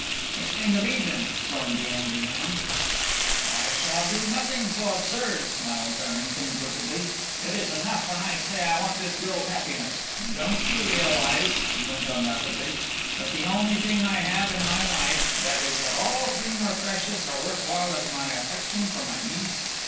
"Explain the reason!" stormed the angry man. "I shall do nothing so absurd," smiled Farrington, crookedly; "it is enough when I say I want this girl's happiness. Don't you realize," he went on rapidly, "that the only thing I have in my life, that is at all clean, or precious, or worth while, is my affection for my niece?